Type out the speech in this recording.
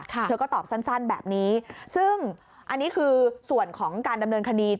เธอก็ตอบสั้นแบบนี้ซึ่งอันนี้คือส่วนของการดำเนินคดี